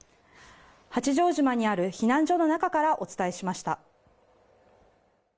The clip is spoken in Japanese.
八丈島にある避難所の中からお伝えしました。